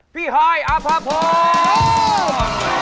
พี่ฮอยอภพพงศ์